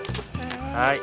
はい。